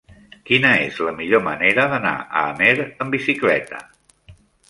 Quina és la millor manera d'anar a Amer amb bicicleta?